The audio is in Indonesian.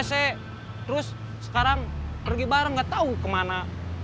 terus sekarang pergi bareng gak tau kemana